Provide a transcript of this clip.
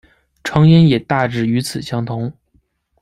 成因也大致与此相同。